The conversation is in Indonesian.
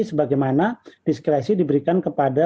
sebagaimana diskresi diberikan kepada